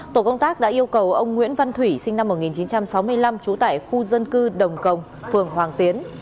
tổ công tác đã yêu cầu ông nguyễn văn thủy sinh năm một nghìn chín trăm sáu mươi năm trú tại khu dân cư đồng công phường hoàng tiến